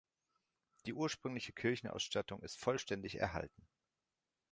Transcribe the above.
Die ursprüngliche Kirchenausstattung ist vollständig erhalten.